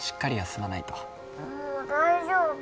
もう大丈夫。